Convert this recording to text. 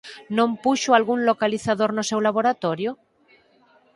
Non puxo algún localizador no seu laboratorio?